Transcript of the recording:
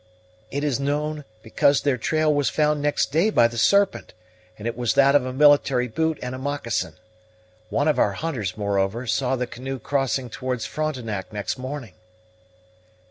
"It is known, because their trail was found next day by the Serpent, and it was that of a military boot and a moccasin. One of our hunters, moreover, saw the canoe crossing towards Frontenac next morning."